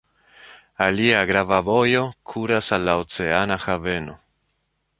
Alia grava vojo kuras al la oceana haveno.